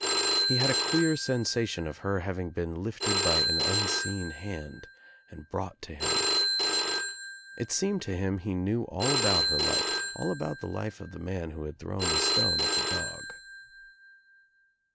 He had a queer sensation of her having been lifted by an unseen hand and brought to him. It seemed to him he knew all about her life, all about the life of the man who had thrown the stone at the dog.